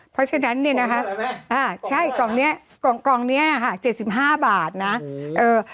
เพราะฉะนั้นนี่นะคะใช่กล่องนี้บาท๗๕บาทนะแล้วก็โอ้โห